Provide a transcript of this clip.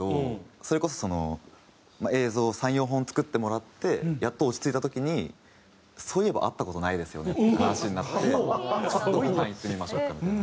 それこそその映像を３４本作ってもらってやっと落ち着いた時に「そういえば会った事ないですよね」って話になって「ちょっとごはん行ってみましょうか」みたいな。